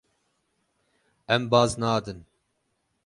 Em baz nadin.